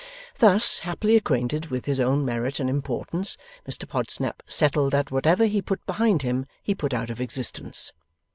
Thus happily acquainted with his own merit and importance, Mr Podsnap settled that whatever he put behind him he put out of existence.